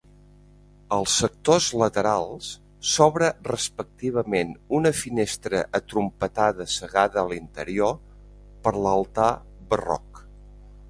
Als sectors laterals s'obre respectivament una finestra atrompetada cegada a l'interior per l'altar barroc.